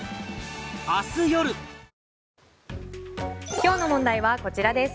今日の問題はこちらです。